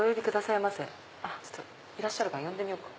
いらっしゃるから呼んでみようか。